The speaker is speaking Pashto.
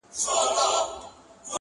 • نه په یوې نه غوبل کي سرګردان وو -